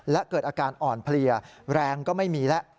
และเกิดอาการอ่อนเพลียแรงก็ไม่มีแล้ว